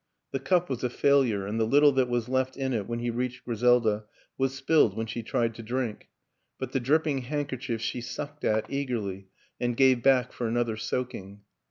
The cup was a failure, and the little that was left in it when he reached Griselda was spilled when she tried to drink; but the drip ping handkerchief she sucked at eagerly and gave MP 150 WILLIAM AN ENGLISHMAN back for another soaking.